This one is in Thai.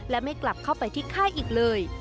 และไม่กลับเข้าไปที่ค่ายอีกเลย